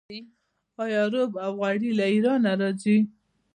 آیا رب او غوړي له ایران نه راځي؟